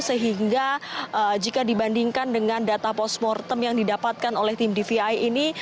sehingga jika dibandingkan dengan data postmortem yang didapatkan oleh tim dvi ini